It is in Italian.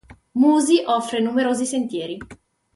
Musi offre numerosi sentieri.